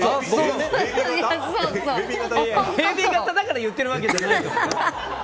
ＡＢ型だから言ってるわけじゃないと思う。